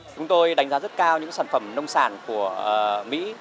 chúng tôi đánh giá rất cao những sản phẩm nông sản của mỹ